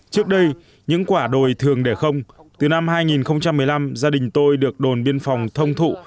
trước đây những quả đồi thường để không từ năm hai nghìn một mươi năm gia đình tôi được đồn biên phòng thông thụ